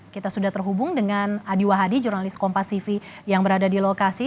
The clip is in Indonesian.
kita sudah terhubung dengan adi wahhadi jurnalis kompas tv yang berada di lokasi